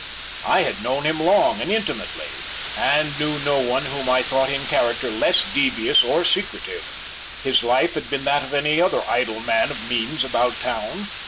I had known him long and intimately, and knew no one whom I thought in character less devious or secretive. His life had been that of any other idle man of means about town.